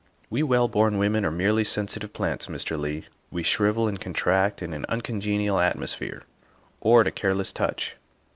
We well born women are 36 THE WIFE OF merely sensitive plants, Mr. Leigh; we shrivel and con tract in an uncongenial atmosphere or at a careless touch."